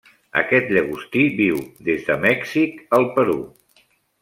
Aquest llagostí viu des de Mèxic al Perú.